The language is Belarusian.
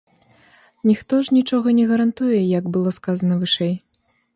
Ніхто ж нічога не гарантуе, як было сказана вышэй.